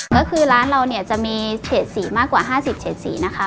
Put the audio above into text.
ก็คือร้านเราเนี่ยจะมีเฉดสีมากกว่า๕๐เฉดสีนะคะ